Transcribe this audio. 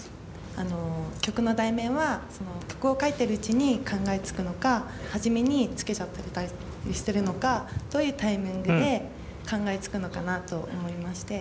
あの曲の題名は曲を書いてるうちに考えつくのか初めに付けちゃったりしてるのかどういうタイミングで考えつくのかなと思いまして。